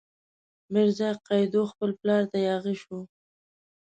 میرزا قیدو خپل پلار ته یاغي شو.